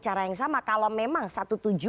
cara yang sama kalau memang satu tujuh